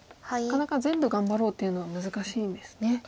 なかなか全部頑張ろうっていうのは難しいんですね。